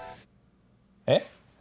えっ？